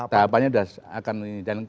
tahapannya udah akan ini